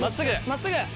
真っすぐ。